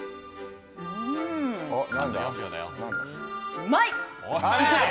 うまい！